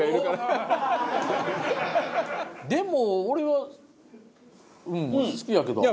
でも俺は好きやけどな。